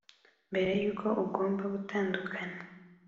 mbere yuko ugomba gutandukana.